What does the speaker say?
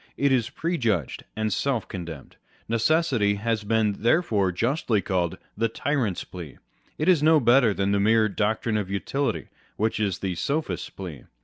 It is prejudged and self condemned. Necessity has been therefore justly called " the tyrant's plea." It is no better with the mere doc trine of utility, which is the sophist's plea.